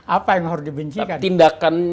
apa yang harus dibencikan